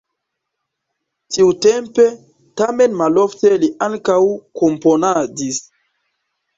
Tiutempe, tamen malofte li ankaŭ komponadis.